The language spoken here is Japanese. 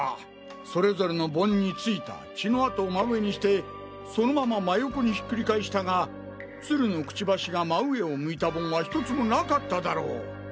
それぞれの盆に付いた血の跡を真上にしてそのまま真横にひっくり返したが鶴のクチバシが真上を向いた盆はひとつもなかっただろう？